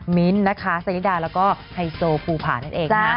มิ้นท์นะคะสนิดาแล้วก็ไฮโซภูผานั่นเองนะ